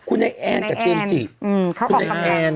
คุณแนนกับเจมส์จิ